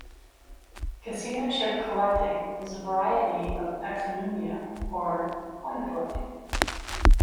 Casino chip collecting is a variety of exonumia, or coin collecting.